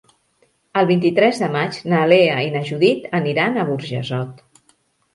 El vint-i-tres de maig na Lea i na Judit aniran a Burjassot.